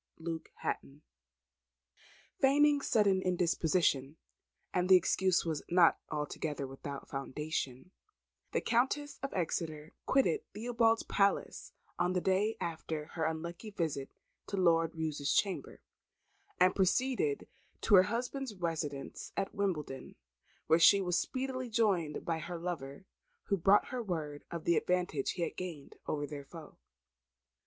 Luke Hatton. Feigning sudden indisposition (and the excuse was not altogether without foundation), the Countess of Exeter quitted Theobalds Palace on the day after her unlucky visit to Lord Roos's chamber, and proceeded to her husband's residence at Wimbledon, where she was speedily joined by her lover, who brought her word of the advantage he had gained over their foe.